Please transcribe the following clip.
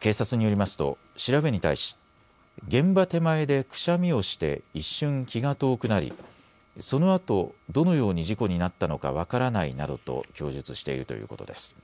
警察によりますと調べに対し現場手前でくしゃみをして一瞬気が遠くなり、そのあとどのように事故になったのか分からないなどと供述しているということです。